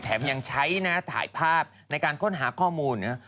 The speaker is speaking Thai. ยังใช้นะถ่ายภาพในการค้นหาข้อมูล